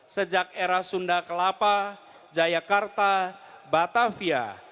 sejak era sunda kelapa jayakarta batavia